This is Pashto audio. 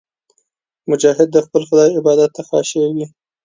مجاهد د خپل خدای عبادت ته خاشع وي.